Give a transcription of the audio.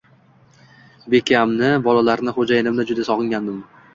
Bekamni, bolalarni, xo‘jayinimni juda sog‘ingandim